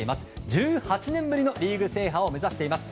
１８年ぶりのリーグ制覇を目指しています。